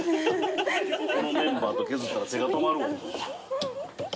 このメンバーと削ったら手が止まるわ。